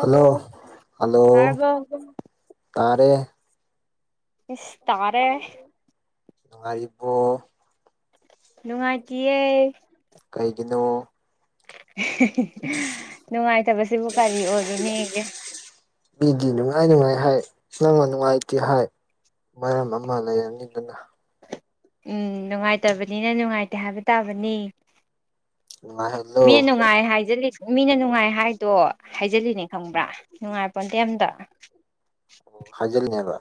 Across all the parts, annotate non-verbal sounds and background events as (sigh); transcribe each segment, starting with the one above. hello hello ꯇꯥꯔꯕꯣ ꯇꯥꯔꯦ ꯏꯁ ꯇꯥꯔꯦ ꯅꯨꯡꯉꯥꯏꯔꯤꯔꯤꯕꯣ ꯅꯨꯡꯉꯥꯏꯇꯌꯦ ꯀꯩꯒꯤꯅꯣ ꯅꯨꯡꯉꯥꯏꯇꯕꯁꯤꯕꯨ ꯀꯔꯤ ꯑꯣꯏꯔꯨꯅꯦꯒꯦ ꯃꯤꯗꯤ ꯅꯨꯡꯉꯥꯏ ꯅꯨꯡꯉꯥꯏ ꯍꯥꯏ ꯅꯪꯅ ꯅꯨꯡꯉꯥꯏꯇꯦ ꯍꯥꯏ ꯃꯔꯝ ꯑꯃ ꯂꯩꯔꯝꯅꯤꯗꯅ ꯎꯝ ꯅꯨꯡꯉꯥꯏꯇꯕꯅꯤꯅ ꯅꯨꯡꯉꯥꯏꯇꯦ ꯍꯥꯏꯕ ꯇꯥꯕꯅꯤ ꯅꯨꯡꯉꯥꯏꯍꯜꯂꯣ ꯃꯤ ꯅꯨꯡꯉꯥꯏ ꯍꯥꯏꯖꯤꯜꯂꯤ ꯃꯤꯅ ꯅꯨꯡꯉꯥꯏ ꯍꯥꯏꯗꯣ ꯍꯥꯏꯖꯤꯜꯂꯤꯅꯦ ꯈꯪꯕ꯭ꯔꯥ ꯅꯨꯡꯉꯥꯏ ꯄꯣꯟꯗꯦ ꯑꯝꯇ ꯐꯖꯤꯜꯅꯦꯕ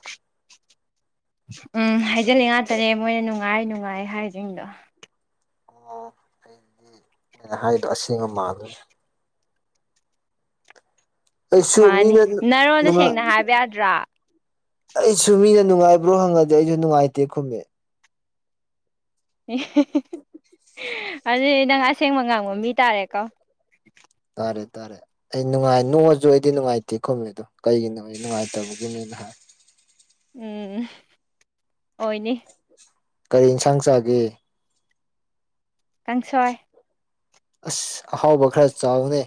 ꯎꯝ ꯍꯥꯏꯖꯜꯂꯤ ꯉꯥꯛꯇꯅꯦ ꯃꯣꯏꯅ ꯅꯨꯡꯉꯥꯏ ꯅꯨꯡꯉꯥꯏ ꯍꯥꯏꯁꯤꯡꯗꯣ ꯑꯣ ꯑꯩꯗꯤ ꯑꯩꯅ ꯍꯥꯏꯗꯣ ꯑꯁꯦꯡꯕ ꯃꯥꯜꯂꯅꯤ ꯑꯩꯁꯨ ꯃꯥꯅꯤ ꯃꯤꯅ ꯅꯔꯣꯟꯗꯣ ꯅꯨꯡꯉꯥꯏ ꯁꯦꯡꯅ ꯍꯥꯏꯕ ꯌꯥꯗ꯭ꯔꯥ ꯑꯩꯁꯨ ꯃꯤꯅ ꯅꯨꯡꯉꯥꯏꯕ꯭ꯔꯣ ꯍꯪꯉꯗꯤ ꯑꯩꯁꯨ ꯅꯨꯡꯉꯥꯏꯇꯦ ꯈꯨꯝꯃꯦ ꯑꯗꯨꯗꯤ ꯅꯪ ꯑꯁꯦꯡꯕ ꯉꯥꯡꯕ ꯃꯤ ꯇꯥꯔꯦꯀꯣ ꯇꯥꯔꯦ ꯇꯥꯔꯦ ꯑꯩ ꯅꯨꯡꯉꯥꯏ ꯅꯣꯡꯑꯁꯨ ꯑꯩꯗꯤ ꯅꯨꯡꯉꯥꯏꯇꯦ ꯈꯨꯝꯃꯦ ꯑꯗꯣ ꯀꯩꯒꯤꯅꯣ ꯑꯩ ꯅꯨꯡꯉꯥꯏꯇꯕꯒꯤꯅꯦꯅ ꯍꯥꯏ ꯎꯝ ꯑꯣꯏꯅꯦ ꯀꯔꯤ ꯌꯦꯟꯁꯥꯡ ꯆꯥꯒꯦ ꯀꯥꯡꯁꯣꯏ ꯑꯁ ꯑꯍꯥꯎꯕ ꯈꯔ ꯆꯥꯎꯅꯦ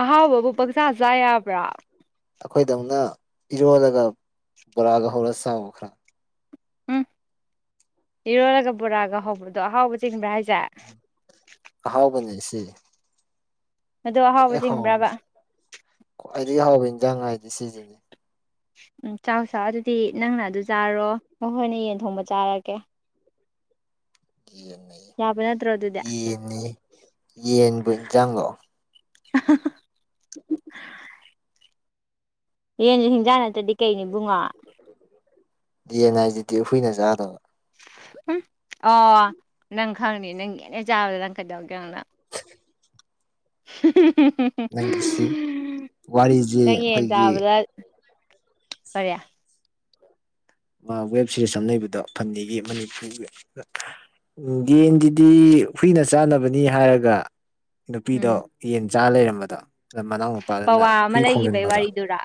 ꯑꯍꯥꯎꯕꯕꯨ ꯄꯪꯆꯥ ꯆꯥ ꯌꯥꯕ꯭ꯔꯥ ꯑꯩꯈꯣꯏꯗꯧꯅ ꯏꯔꯣꯜꯂꯒ ꯕꯣꯔꯥꯒ ꯍꯧꯔꯒ ꯆꯥꯎ ꯈꯔ ꯎꯝ ꯏꯔꯣꯜꯂꯒ ꯕꯣꯔꯥꯒ ꯍꯧꯕꯗꯣ ꯑꯍꯥꯎꯕ ꯆꯤꯡꯕ꯭ꯔꯥ ꯍꯥꯏꯁꯦ ꯑꯍꯥꯎꯕꯅꯦ ꯁꯤ ꯑꯗꯣ ꯑꯍꯥꯎꯕ ꯈ꯭ꯋꯥꯏ ꯍꯥꯎ ꯆꯤꯡꯕ꯭ꯔꯕ ꯈ꯭ꯋꯥꯏꯗꯒꯤ ꯍꯥꯎꯕ ꯏꯟꯖꯥꯡ ꯍꯥꯏꯗꯤ ꯁꯤꯖꯤꯅꯤ ꯎꯝ ꯆꯥꯎ ꯆꯥꯎ ꯑꯗꯨꯗꯤ ꯅꯪꯅ ꯑꯗꯨ ꯆꯥꯔꯣ ꯃꯈꯣꯏꯅ ꯌꯦꯟ ꯊꯣꯡꯕ ꯆꯥꯔꯒꯦ ꯌꯦꯟꯅꯤ ꯌꯥꯕ ꯅꯠꯇ꯭ꯔꯣ ꯑꯗꯨꯗꯤ ꯌꯦꯟꯅꯤ ꯌꯦꯟꯕꯨ ꯏꯟꯖꯥꯡꯂꯣ (unintelligible) ꯌꯦꯟꯖꯨ ꯍꯤꯟꯖꯥꯡ ꯅꯠꯇ꯭ꯔꯗꯤ ꯀꯩꯅꯣ ꯏꯕꯨꯡꯉꯣ ꯌꯦꯟ ꯍꯥꯏꯖꯤꯗꯤ ꯍꯨꯏꯅ ꯆꯥꯗꯧꯅꯤ ꯎꯝ ꯑꯣ ꯅꯪ ꯈꯪꯅꯤ ꯅꯪ ꯌꯦꯟ ꯍꯦꯛ ꯆꯥꯕꯗ ꯅꯪ ꯀꯩꯗꯧꯒꯦ ꯌꯦꯡꯉꯨ ꯅꯪ (unintelligible) ꯅꯪꯒꯤꯁꯤ ꯋꯥꯔꯤꯖꯤ ꯑꯩꯈꯣꯏꯒꯤ ꯐꯔꯦ ꯃꯥ ꯋꯦꯕ ꯁꯤꯔꯤꯁ ꯑꯃ ꯂꯩꯕꯗꯣ ꯐꯟꯗꯤꯒꯤ ꯃꯅꯤꯄꯨꯔꯒꯤ ꯌꯦꯟꯗꯨꯗꯤ ꯍꯨꯏꯅ ꯆꯥꯅꯕꯅꯤ ꯍꯥꯏꯔꯒ ꯅꯨꯄꯤꯗꯣ ꯎꯝ ꯌꯦꯟ ꯆꯥ ꯂꯩꯔꯝꯕꯗꯣ ꯑꯗ ꯃꯅꯥꯎ ꯅꯨꯄꯥꯗꯨꯅ ꯄꯋꯥ ꯍꯨꯏ ꯑꯃ ꯂꯩꯈꯤꯕꯩ ꯈꯣꯡꯖꯟꯕꯗꯣ ꯋꯥꯔꯤꯗꯨꯔꯥ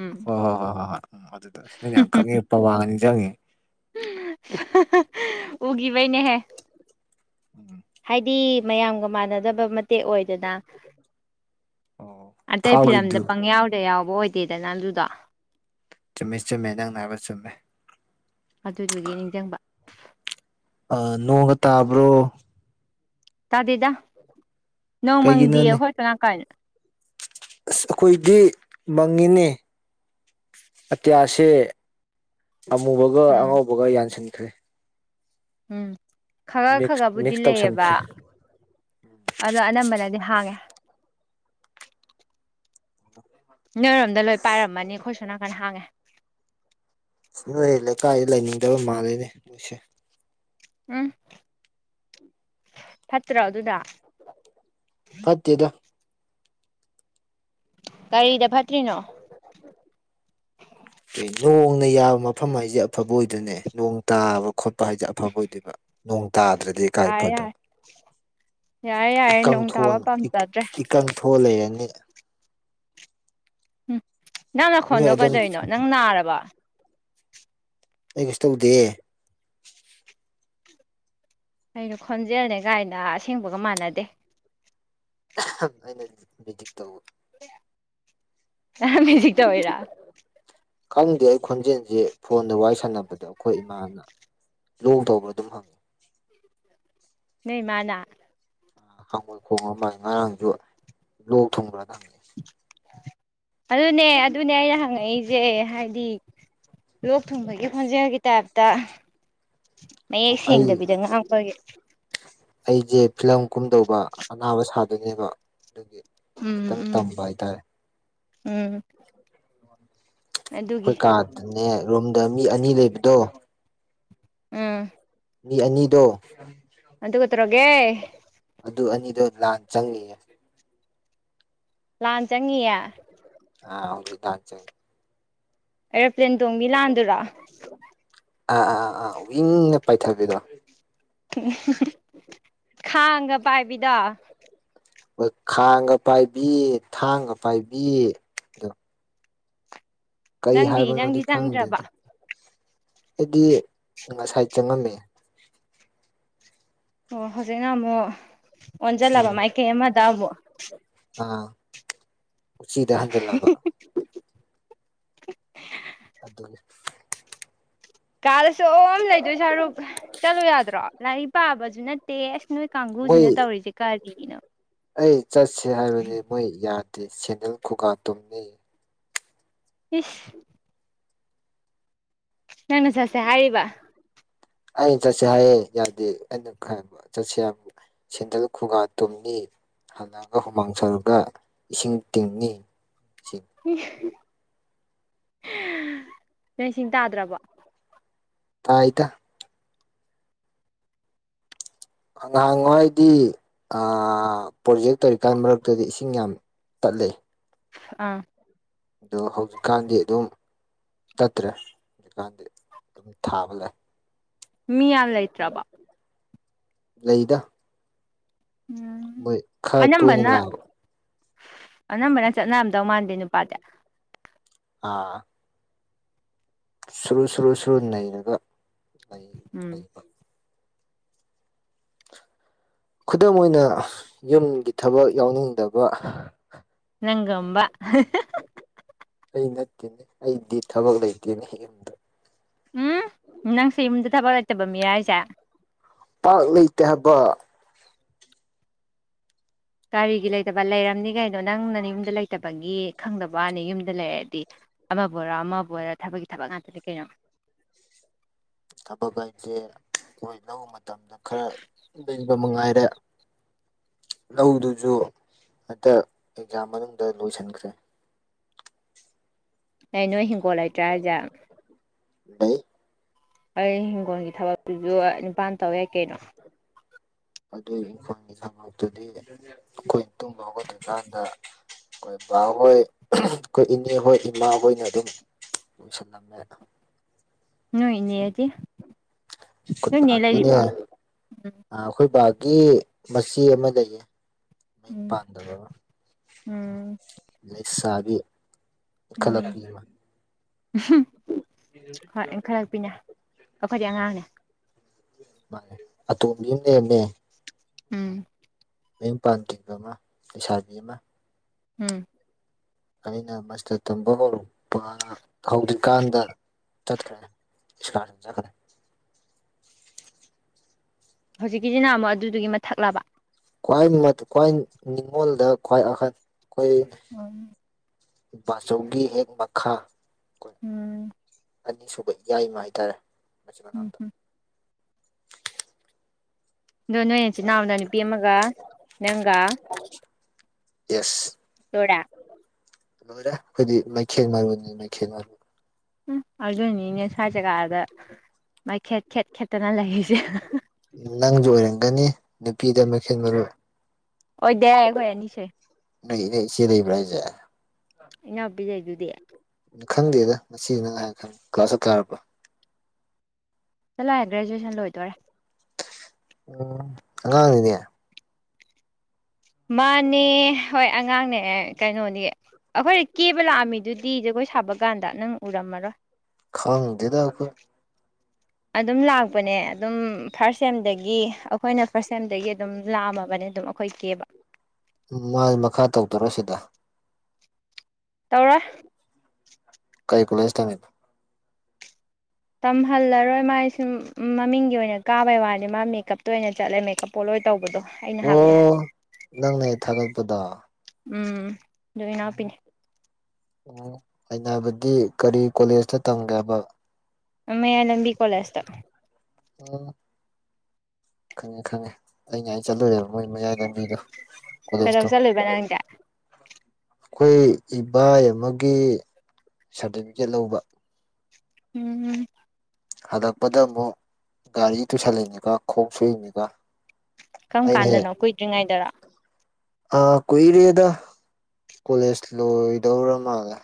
ꯎꯝ ꯍꯣꯏ ꯍꯣꯏ ꯍꯣꯏ ꯍꯣꯏ ꯎꯝ ꯑꯗꯨꯗꯣ ꯅꯪꯗꯤ ꯌꯥꯝ ꯈꯪꯉꯦ ꯄꯋꯥꯒ ꯅꯤꯡꯖꯪꯉꯦ ꯎꯒꯤꯕꯩꯅꯦꯍꯦ ꯎꯝ ꯍꯥꯏꯗꯤ ꯃꯌꯥꯝꯒ ꯃꯥꯟꯅꯗꯕ ꯃꯇꯦꯛ ꯑꯣꯏꯗꯅ ꯑꯣ ꯑꯇꯩ ꯐꯤꯂꯝꯗ ꯊꯥꯎꯒꯤꯗꯨ ꯄꯪꯌꯥꯎꯗ ꯌꯥꯎꯕ ꯑꯣꯏꯗꯦꯗꯅ ꯑꯗꯨꯗꯣ ꯆꯨꯝꯃꯦ ꯆꯨꯝꯃꯦ ꯅꯪꯅ ꯍꯥꯏꯕ ꯆꯨꯝꯃꯦ ꯑꯗꯨꯗꯨꯒꯤ ꯅꯤꯡꯖꯪꯕ ꯑ ꯅꯣꯡꯒ ꯇꯥꯕ꯭ꯔꯣ ꯇꯥꯗꯦꯗ ꯅꯣꯡ ꯃꯪꯗꯤꯌꯦ ꯀꯩꯒꯤꯅꯣꯅꯦ ꯑꯩꯈꯣꯏ ꯁꯣꯟ ꯅꯥꯀꯟ ꯑꯁ ꯑꯩꯈꯣꯏꯗꯤ ꯃꯪꯉꯤꯅꯦ ꯑꯇꯤꯌꯥꯁꯦ ꯑꯃꯨꯕꯒ ꯎꯝ ꯑꯉꯧꯕꯒ ꯌꯥꯟꯁꯟꯈ꯭ꯔꯦ ꯎꯝ ꯈꯔ ꯃꯤꯛꯁ ꯈꯔꯕꯨꯗꯤ ꯃꯤꯛꯁ ꯂꯩꯌꯦꯕ ꯇꯧꯁꯟꯈ꯭ꯔꯦ ꯑꯗꯣ ꯑꯅꯝꯕꯅꯗꯤ ꯍꯥꯡꯉꯦ ꯅꯣꯏꯔꯣꯝꯗ ꯂꯣꯏ ꯄꯥꯏꯔꯝꯃꯅꯤ ꯑꯩꯈꯣꯏ ꯁꯣꯟ ꯅꯥꯀꯟ ꯍꯥꯡꯉꯦ ꯅꯣꯏ ꯂꯩꯀꯥꯏꯗ ꯂꯩꯅꯤꯡꯗꯕ ꯃꯥꯜꯂꯤꯅꯦ ꯅꯣꯏꯁꯦ ꯎꯝ ꯐꯠꯇ꯭ꯔꯣ ꯑꯗꯨꯅ ꯐꯠꯇꯦꯗ ꯀꯩꯗ ꯐꯠꯇ꯭ꯔꯤꯅꯣ (inaudible) ꯅꯣꯡꯅ ꯌꯥꯕ ꯃꯐꯝ ꯍꯥꯏꯖꯦ ꯑꯐꯕ ꯑꯣꯏꯗꯣꯏꯅꯦ ꯅꯣꯡ ꯇꯥꯕ ꯈꯣꯠꯄ ꯍꯥꯏꯖꯦ ꯑꯐꯕ ꯑꯣꯏꯗꯣꯏꯕ ꯅꯣꯡ ꯇꯥꯗ꯭ꯔꯗꯤ ꯀꯥꯏ ꯌꯥꯔꯦ ꯌꯥꯔꯦ ꯐꯗꯣꯏꯕ ꯌꯥꯔꯦ ꯌꯥꯔꯦ ꯏꯀꯪ ꯅꯣꯡ ꯇꯥꯕ ꯊꯣꯛꯑꯅꯤ ꯄꯥꯝꯖꯗ꯭ꯔꯦ (unintelligible) ꯏꯀꯪ ꯊꯣꯛꯑꯥ ꯂꯩꯔꯅꯤ ꯎꯝ ꯅꯪ ꯅꯣꯏ ꯅꯈꯣꯟꯗꯣ ꯑꯗꯨꯝ ꯀꯩꯗꯣꯏꯅꯣ ꯅꯪ ꯅꯥꯔꯕ ꯑꯩ ꯀꯩꯁꯨ ꯇꯧꯗꯦ ꯀꯩꯅꯣ ꯈꯣꯟꯖꯦꯜꯅꯦ ꯒꯥꯏꯅ ꯑꯁꯦꯡꯕꯒ ꯃꯥꯟꯅꯗꯦ ꯑꯩꯅ ꯃꯦꯖꯤꯛ ꯇꯧꯕ ꯅꯪ ꯃꯦꯖꯤꯛ ꯇꯧꯏꯔꯣ ꯈꯪꯗꯦ ꯑꯩ ꯈꯣꯟꯖꯦꯜꯖꯦ ꯐꯣꯟꯗ ꯋꯥꯔꯤ ꯁꯥꯟꯅꯕꯗꯣ ꯑꯩꯈꯣꯏ ꯏꯃꯥꯅ ꯂꯣꯛ ꯊꯣꯡꯕ ꯑꯗꯨꯝ ꯍꯪ (inaudible) ꯅꯣꯏ ꯃꯥꯅ ꯍꯉꯣꯏ ꯈꯣꯡꯕ ꯃꯥ ꯉꯔꯥꯡꯖꯨ ꯂꯣꯛ ꯊꯨꯡꯕ꯭ꯔꯅ ꯍꯪ ꯑꯗꯨꯅꯦ ꯑꯗꯨꯅꯦ ꯑꯩꯅ ꯍꯪꯉꯛꯏꯁꯦ ꯍꯥꯏꯗꯤ ꯂꯣꯛ ꯊꯨꯡꯕꯒꯤ ꯈꯣꯟꯖꯦꯜꯒꯤ ꯇꯥꯏꯞꯇ ꯑꯣ ꯃꯌꯦꯛ ꯑꯩ ꯁꯦꯡꯗꯕꯤꯗ ꯉꯥꯡꯕꯒꯤ ꯑꯩꯁꯦ ꯐꯤꯂꯝ ꯀꯨꯝꯗꯧꯕ ꯑꯅꯥꯕ ꯁꯥꯗꯣꯏꯅꯦꯕ ꯑꯗꯨꯒꯤ ꯈꯤꯇꯪ ꯎꯝ ꯎꯝ ꯇꯝꯕ ꯍꯥꯏꯇꯥꯔꯦ ꯎꯝ ꯑꯗꯨꯒꯤ ꯑꯩꯈꯣꯏ ꯀꯥꯔꯗꯅꯦ ꯔꯣꯝꯗ ꯃꯤ ꯑꯅꯤ ꯂꯩꯕꯗꯣ ꯑꯥ ꯃꯤ ꯑꯅꯤꯗꯣ ꯑꯗꯨꯗꯨ ꯀꯠꯇ꯭ꯔꯣꯒꯦ ꯑꯗꯨ ꯑꯅꯤꯗꯣ ꯂꯥꯟ ꯆꯪꯅꯤꯡꯑꯦ ꯂꯥꯟ ꯆꯪꯉꯌꯦ ꯑ ꯍ ꯊꯖ ꯑꯦꯔꯣꯄ꯭ꯂꯦꯟ ꯇꯣꯡꯕꯤ ꯂꯥꯟꯗꯨꯔꯥ ꯑꯥ ꯑꯥ ꯑꯥ ꯑꯥ ꯎꯋꯤꯡꯅ ꯄꯥꯏꯊꯕꯤꯗꯣ ꯎ ꯈꯥꯡꯒ ꯄꯥꯏꯕꯤꯗ ꯑꯩꯣꯏ ꯈꯥꯡꯒ ꯄꯥꯏꯕꯤ ꯊꯥꯡꯒ ꯄꯥꯏꯕꯤ ꯀꯔꯤ ꯅꯪꯗꯤ ꯍꯥꯏꯕꯅꯣꯗꯤ ꯅꯪꯗꯤ ꯆꯪꯗ꯭ꯔꯕ ꯈꯪꯗꯦꯗ ꯑꯩꯗꯤ ꯉꯁꯥꯏ ꯆꯪꯉꯝꯃꯦ ꯑꯣ ꯍꯧꯖꯤꯛꯅ ꯑꯃꯨꯛ ꯎꯝ ꯑꯣꯟꯁꯤꯜꯂꯕ ꯃꯥꯏꯀꯩ ꯑꯃꯗ ꯑꯃꯨꯛ ꯑꯥ ꯎꯆꯤꯗ ꯍꯟꯖꯤꯜꯂꯕ ꯑꯗꯨꯗꯤ ꯀꯥꯂꯁꯨ ꯑꯣꯝ ꯂꯩꯗꯣꯏ ꯁꯔꯨꯛ ꯆꯠꯂꯣ ꯌꯥꯗ꯭ꯔꯣ ꯂꯥꯏꯔꯤꯛ ꯄꯥꯕꯁꯨ ꯅꯠꯇꯦ ꯑꯁ ꯅꯣꯏ ꯃꯣꯏ ꯀꯥꯡꯒꯨꯁꯤꯅ ꯇꯧꯔꯤꯁꯦ ꯀꯔꯤꯅꯣ ꯑꯩ ꯆꯠꯁ ꯍꯥꯏꯕꯗꯤ ꯃꯣꯏ ꯌꯥꯗꯦ ꯁꯦꯟꯗꯦꯜ ꯈꯨꯒꯥ ꯇꯨꯝꯅꯤ ꯏꯤꯁ ꯅꯅ ꯆꯁꯦ ꯍꯥꯏꯔꯔꯤꯕ ꯑꯩꯅ ꯆꯠꯁꯦ ꯍꯥꯏꯌꯦ ꯌꯥꯗꯦ ꯑꯩꯅ ꯈ ꯆꯠꯁ ꯁꯦꯟꯗꯜ ꯈꯨꯒꯥ ꯇꯨꯝꯅꯤ ꯍꯜꯂꯛꯒ ꯍꯨꯃꯥꯡ ꯁꯔꯒ ꯏꯁꯤꯡ ꯇꯤꯡꯅꯤ ꯏꯁꯤꯡ ꯅꯣꯏꯁꯤꯡ ꯇꯥꯗ꯭ꯔꯕ ꯇꯥꯏꯗ ꯉꯍꯥꯟꯋꯥꯏꯗꯤ ꯄ꯭ꯔꯣꯖꯦꯛ ꯇꯧꯔꯤꯀꯥꯟ ꯃꯔꯛꯇꯗꯤ ꯏꯁꯤꯡ ꯌꯥꯝ ꯄꯜꯂꯦ ꯑꯥ ꯑꯗꯣ ꯍꯧꯖꯤꯛꯀꯥꯟꯗꯤ ꯑꯗꯨꯝ ꯆꯠꯇ꯭ꯔꯦ ꯍꯧꯖꯤꯛꯀꯥꯟꯗꯤ ꯑꯗꯨꯝ ꯊꯥꯕ ꯂꯩ ꯃꯤ ꯌꯥꯝ ꯂꯩꯇ꯭ꯔꯕ ꯂꯩꯗ ꯎꯝ ꯃꯣꯏ ꯈꯔ ꯇꯣꯏꯅ ꯑꯅꯝꯕꯅ ꯂꯥꯛꯑꯕ ꯑꯅꯝꯕꯅ ꯆꯠꯅꯔꯝꯗꯧ ꯃꯥꯟꯗꯦ ꯅꯨꯄꯥꯗꯤ ꯑꯥ ꯁꯨꯔꯨ ꯁꯨꯔꯨ ꯁꯨꯔꯨ ꯅꯩꯔꯒ ꯂꯩ ꯎꯝ ꯂꯩꯕ ꯈꯨꯗꯝ ꯑꯣꯏꯅ ꯌꯨꯝꯒꯤ ꯊꯕꯛ ꯌꯥꯎꯅꯤꯡꯗꯕ ꯅꯪꯒꯝꯕ ꯑꯩ ꯅꯠꯇꯦꯅꯦ ꯑꯩꯗꯤ ꯊꯕꯛ ꯂꯩꯇꯦꯅꯦ ꯌꯨꯝꯗ ꯎꯝ ꯅꯪꯁꯨ ꯌꯨꯝꯗ ꯊꯕꯛ ꯂꯩꯇꯕ ꯃꯤ ꯍꯥꯏꯁꯦ ꯄꯥꯛ ꯂꯩꯇꯦ ꯍꯥꯏꯕ ꯒꯥꯔꯤꯒꯤ ꯂꯩꯇꯕ ꯂꯩꯔꯝꯅꯤ ꯀꯩꯅꯣ ꯅꯪꯅꯅꯦ ꯌꯨꯝꯗ ꯂꯩꯇꯕꯒꯤ ꯈꯪꯗꯕ ꯋꯥꯅꯤ ꯌꯨꯝꯗ ꯂꯩꯔꯛꯑꯗꯤ ꯑꯃꯕꯨ ꯑꯣꯏꯔꯣ ꯑꯃꯕꯨ ꯑꯣꯏꯔꯣ ꯊꯕꯛꯀꯤ ꯊꯕꯛ ꯉꯥꯛꯇꯗꯤ ꯀꯩꯅꯣ ꯊꯕꯛ ꯍꯥꯏꯁꯦ ꯑꯩꯈꯣꯏ ꯂꯧꯕ ꯃꯇꯝꯗ ꯈꯔ ꯂꯩꯕ ꯃꯉꯥꯏꯔꯦ ꯂꯧꯗꯨꯁꯨ ꯍꯦꯛꯇ ꯑꯦꯛꯖꯥꯝ ꯃꯅꯨꯡꯗ ꯂꯣꯏꯁꯤꯟꯈ꯭ꯔꯦ ꯍꯦ ꯅꯣꯏ ꯍꯤꯡꯒꯣꯜ ꯂꯩꯇ꯭ꯔꯥ ꯍꯥꯏꯁꯦ ꯂꯩ ꯑꯩ ꯍꯤꯡꯒꯣꯜꯒꯤ ꯊꯕꯛꯇꯨꯁꯨ ꯅꯤꯄꯥ ꯇꯧ ꯌꯥꯏ ꯀꯩꯅꯣ ꯑꯗꯨ ꯏꯪꯈꯣꯜꯒꯤ ꯊꯕꯛꯇꯨꯗꯤ ꯑꯩꯈꯣꯏꯅ ꯇꯨꯝꯕ ꯍꯧꯒꯠꯇ꯭ꯔꯤꯀꯥꯟꯗ ꯑꯩꯈꯣꯏ ꯕꯥꯍꯣꯏ ꯑꯩꯈꯣꯏ ꯏꯅꯦꯍꯣꯏ ꯏꯃꯥꯍꯣꯏꯅ ꯑꯗꯨꯝ ꯂꯣꯏꯁꯜꯂꯝꯃꯦ ꯅꯣꯏ ꯏꯅꯦ ꯑꯗꯤ ꯅꯣꯏꯅꯦ ꯂꯩꯔꯤꯕꯣ ꯑ ꯑꯩꯈꯣꯏ ꯕꯥꯒꯤ ꯃꯆꯦ ꯑꯃ ꯂꯩꯌꯦ ꯃꯌꯨꯝ ꯎꯝ ꯄꯥꯟꯗꯕ ꯑꯃ ꯎꯝ ꯂꯩꯁꯥꯕꯤ ꯎꯝ ꯏꯟꯈꯠꯂꯛꯄꯤ ꯑꯃ (unintelligible) ꯍꯣꯏ ꯏꯟꯈꯠꯂꯛꯄꯤꯅꯦ ꯑꯩꯈꯣꯏꯗꯤ ꯑꯉꯥꯡꯅꯦ ꯃꯥꯅꯦ ꯑꯇꯣꯝꯕꯤ ꯑꯃ ꯂꯩꯔꯝꯃꯦ ꯎꯝ ꯃꯌꯨꯝ ꯄꯥꯟꯗ꯭ꯔꯤꯕꯃꯥ ꯂꯩꯁꯥꯕꯤ ꯑꯃ ꯎꯝ ꯑꯩꯅ ꯃꯁꯇꯔ ꯇꯝꯕ ꯍꯧꯔꯛꯄ ꯍꯧꯗ꯭ꯔꯤꯀꯥꯟꯗ ꯆꯠꯈ꯭ꯔꯦ (unintelligible) ꯍꯧꯖꯤꯛꯀꯤꯁꯤꯅ ꯑꯃꯨꯛ ꯑꯗꯨꯗꯨꯒꯤ ꯃꯊꯛꯂꯥꯕ ꯈ꯭ꯋꯥꯏ ꯃꯥ ꯈ꯭ꯋꯥꯏ ꯅꯤꯡꯉꯣꯜꯗ ꯈ꯭ꯋꯥꯏ ꯑꯍꯜ ꯑꯩꯈꯣꯏ ꯎꯝ ꯕꯥꯆꯧꯒꯤ ꯍꯦꯛ ꯃꯈꯥ ꯑꯩꯈꯣꯏ ꯎꯝ ꯑꯅꯤꯁꯨꯕ ꯌꯥꯏꯃꯥ ꯍꯥꯏꯇꯥꯔꯦ ꯃꯆꯤꯟ ꯃꯅꯥꯎꯗ ꯎꯝ ꯑꯗꯣ ꯅꯣꯏ ꯅꯆꯤꯟꯅꯥꯎꯅ ꯅꯨꯄꯤ ꯑꯃꯒ ꯅꯪꯒ ꯌꯦꯁ ꯂꯣꯏꯔꯦ ꯂꯣꯏꯔꯦ ꯑꯩꯈꯣꯏꯗꯤ ꯃꯩꯈꯦꯠ ꯃꯔꯨꯅꯤ ꯃꯩꯈꯦꯠ ꯃꯔꯨ ꯎꯝ ꯑꯗꯨꯏꯅꯤꯅꯦ ꯁ꯭ꯋꯥꯏ ꯖꯒꯥꯗ ꯃꯩꯈꯦꯠ ꯈꯦꯠ ꯈꯦꯠꯇꯅ ꯂꯩꯔꯤꯁꯦ ꯅꯪꯁꯨ ꯑꯣꯏꯔꯝꯒꯅꯤ ꯅꯨꯄꯤꯗ ꯃꯩꯈꯦꯠ ꯃꯔꯨ ꯑꯣꯏꯗꯦ ꯑꯩꯈꯣꯏ ꯑꯅꯤ ꯁꯨꯏ ꯅꯣꯏ ꯅꯣꯏ ꯏꯆꯦ ꯂꯩꯕ꯭ꯔꯣ ꯍꯥꯏꯁꯦ ꯏꯅꯥꯎꯄꯤ ꯂꯩꯗꯨꯗꯤ ꯈꯪꯗꯦꯗ ꯉꯁꯤ ꯅꯪ ꯍꯥꯏꯔꯥ ꯈꯪꯉꯦ ꯀ꯭ꯂꯥꯁ ꯀꯌꯥ ꯀꯥꯔꯕ ꯆꯠꯂꯣꯍꯦ ꯒ꯭ꯔꯦꯖꯨꯑꯁꯟ ꯂꯣꯏꯗꯣꯔꯦ ꯑꯣ ꯑꯉꯥꯡꯅꯤꯅꯦ ꯃꯥꯅꯦ ꯍꯣꯏ ꯑꯉꯥꯡꯅꯦ ꯀꯩꯅꯣꯗꯤ ꯑꯩꯈꯣꯏ ꯀꯦꯕ ꯂꯥꯛꯑꯝꯃꯤꯗꯨꯗꯤ ꯖꯒꯣꯏ ꯁꯥꯕ ꯀꯥꯟꯗ ꯅꯪ ꯎꯔꯝꯃꯔꯣꯏ ꯈꯥꯡꯗꯦꯗ ꯑꯩꯈꯣꯏ ꯑꯗꯨꯝ ꯂꯥꯛꯄꯅꯦ ꯑꯗꯨꯝ ꯊꯥ꯭ꯔ ꯁꯦꯝꯗꯒꯤ ꯑꯩꯈꯣꯏꯅ ꯐꯥꯔꯁ ꯁꯦꯝꯗꯒꯤ ꯑꯗꯨꯝ ꯂꯥꯛꯑꯝꯃꯕꯅꯦ ꯑꯗꯨꯝ ꯑꯩꯈꯣꯏ ꯀꯦꯕ ꯎꯝ ꯃꯥꯗꯤ ꯃꯈꯥ ꯇꯧꯗꯔꯣ ꯁꯤꯗ ꯇꯧꯔꯣꯏ ꯀꯩ ꯀꯣꯂꯦꯖ ꯇꯝꯃꯤꯕ ꯇꯝꯍꯜꯂꯔꯣꯏ ꯃꯥꯥꯏ ꯁꯨꯝ ꯃꯃꯤꯡꯒꯤ ꯑꯣꯏꯅ ꯀꯥꯕꯩ ꯋꯥꯅꯤ ꯃꯥ ꯃꯦꯀꯞꯇ ꯑꯣꯏꯅ ꯆꯠꯂꯦ ꯃꯦꯀꯞ ꯄꯣꯠꯂꯣꯏ ꯇꯧꯕꯗꯣ ꯑꯩꯅ ꯍꯥꯏꯕꯗꯣ ꯑꯣ ꯅꯪꯅ ꯍꯦꯛ ꯊꯥꯒꯠꯄꯗꯣ ꯎꯝ ꯑꯗꯨ ꯏꯅꯥꯎꯄꯤꯅꯦ ꯎꯝ ꯑꯩꯅ ꯍꯥꯏꯕꯗꯤ ꯀꯔꯤ ꯀꯣꯂꯦꯖꯇ ꯇꯝꯒꯦ ꯍꯥꯏꯕ ꯃꯌꯥꯏ ꯂꯝꯕꯤ ꯀꯣꯂꯦꯖꯇ ꯑꯣ ꯈꯪꯉꯦ ꯈꯪꯉꯦ ꯑꯩ ꯅꯥꯏꯅ ꯆꯠꯂꯨꯔꯦꯕ ꯃꯣꯏ ꯃꯌꯥꯏ ꯂꯝꯕꯤꯗꯣ ꯀꯣꯂꯦꯁ ꯀꯩꯗꯧ ꯇꯣ ꯆꯠꯂꯨꯏꯕ ꯅꯪꯗꯤ ꯑꯩꯈꯣꯏ ꯏꯕꯥꯏ ꯑꯃꯒꯤ ꯁꯥꯔꯗꯤꯕꯤꯀꯦꯠ ꯂꯧꯕ ꯎꯝ ꯍꯜꯂꯛꯄꯗ ꯑꯃꯨꯛ ꯒꯥꯔꯤ ꯇꯨꯁꯜꯂꯤꯅꯤꯕ ꯈꯣꯡ ꯁꯣꯛꯏꯅꯤꯕ ꯀꯔꯝ ꯀꯥꯟꯗꯅꯣ ꯀꯨꯏꯗ꯭ꯔꯤꯉꯩꯗꯔꯣ ꯑꯥ ꯀꯨꯏꯔꯦꯗ ꯀꯣꯂꯦꯖ ꯂꯣꯏꯗꯧꯔ ꯃꯥꯜꯂꯦ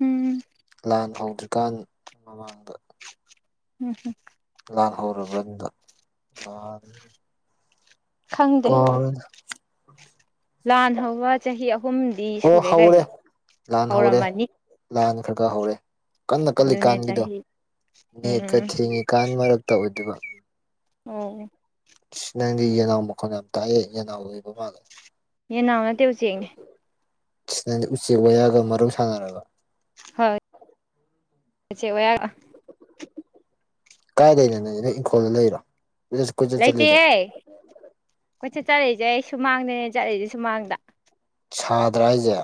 ꯎꯝ ꯂꯥꯟ ꯍꯧꯗ꯭ꯔꯤꯀꯥꯟ ꯃꯃꯥꯡꯗ ꯎꯝ ꯍꯨꯝ ꯂꯥꯟ ꯍꯔꯕꯔꯅꯦ ꯑꯗꯣ ꯅꯍꯟ ꯈꯪꯗꯦ ꯀꯥꯎꯔꯦꯗ ꯂꯥꯟ ꯍꯧꯕ ꯆꯍꯤ ꯑꯍꯨꯝꯗꯤ ꯑꯣ ꯁꯨꯔꯦ ꯍꯧꯔꯦ ꯀꯩꯅꯣ ꯂꯥꯟ ꯍꯧꯔꯦ ꯍꯧꯔꯝꯃꯅꯤ ꯂꯥꯟ ꯈ꯭ꯔ ꯈ ꯍꯧꯔꯦ ꯀꯟꯅ ꯑꯗꯨꯅꯦ ꯀꯜꯂꯤꯀꯥꯟꯒꯤꯗꯣ ꯆꯍꯤ ꯅꯦꯠꯀ ꯎꯝ ꯊꯦꯡꯉꯤꯀꯥꯟ ꯃꯔꯛ ꯇꯧ ꯑꯣꯏꯗꯨꯕ ꯎꯝ ꯅꯪꯗꯤ ꯌꯦꯅꯥꯎ ꯃꯈꯣꯟ ꯌꯥꯝ ꯇꯥꯏꯑꯦ ꯌꯦꯅꯥꯎ ꯑꯣꯏꯕ ꯃꯥꯜꯂꯦ ꯌꯦꯟꯅꯥꯎ ꯅꯠꯇꯦ ꯎꯆꯦꯛꯅꯦ ꯎꯆꯦꯛ ꯋꯥꯌꯥꯒ ꯃꯔꯨꯞ ꯁꯥꯟꯅꯔꯕ ꯍꯣꯏ ꯎꯆꯦꯛ ꯋꯥꯌꯥꯒ ꯑ ꯀꯥꯏ ꯂꯩꯅꯣ ꯅꯩꯗꯤ ꯅꯣꯏ ꯏꯪꯈꯣꯜꯗ ꯂꯩꯔꯣ ꯀꯣꯏꯆꯠ ꯀꯣꯏꯆꯠ ꯆꯠꯂꯤꯗꯣ ꯂꯩꯇꯦꯍꯦ ꯀꯣꯏꯆꯠ ꯆꯠꯂꯤꯖꯁ ꯑꯩ ꯁꯨꯃꯥꯡꯗꯅꯦ ꯆꯠꯂꯤꯖꯦ ꯁꯨꯃꯥꯡꯗ ꯁꯥꯗ꯭ꯔꯥ ꯍꯥꯏꯖꯦ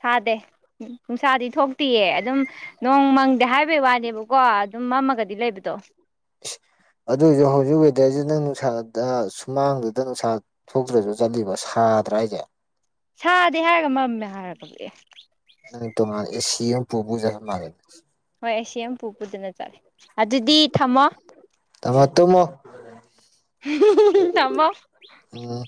ꯁꯥꯗꯦ ꯅꯨꯡꯁꯥꯗꯤ ꯊꯣꯛꯇꯤꯌꯦ ꯑꯗꯨꯝ ꯅꯣꯡ ꯃꯪꯗꯦ ꯍꯥꯏꯕꯩ ꯋꯥꯅꯦꯕꯀꯣ ꯑꯗꯨꯝ ꯃꯝꯃꯒꯗꯤ ꯂꯩꯕꯗꯣ ꯑꯗꯨꯏꯁꯨ ꯍꯧꯖꯤꯛ ꯋꯦꯗꯔꯁꯤ ꯅꯪ ꯅꯨꯡꯁꯥꯗ ꯁꯨꯃꯥꯡꯗꯨꯗ ꯅꯨꯡꯁꯥ ꯊꯣꯛꯇ꯭ꯔꯁꯨ ꯆꯠꯂꯤꯕ ꯁꯥꯗ꯭ꯔꯥ ꯍꯥꯏꯖꯦ ꯁꯥꯗꯦ ꯍꯥꯏꯔꯒ ꯃꯝꯃꯦ ꯍꯥꯏꯔꯛꯒꯕꯨ ꯑꯦ ꯅꯪ ꯇꯣꯉꯥꯟꯅ ꯑꯦ ꯁꯤ ꯑꯃ ꯄꯨ ꯄꯨꯖꯠꯂ ꯃꯥꯜꯂꯦ ꯍꯣꯏ ꯑꯦ ꯁꯤ ꯌꯥꯝ ꯄꯨ ꯄꯨꯗꯅ ꯆꯠꯂꯦ ꯑꯗꯨꯗꯤ ꯊꯝꯃꯣ ꯊꯝꯃ ꯇꯨꯝꯃꯣ ꯊꯝꯃꯣ ꯎꯝ